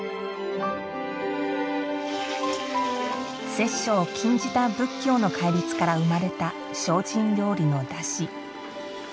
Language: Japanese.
殺生を禁じた仏教の戒律から生まれた精進料理のだし。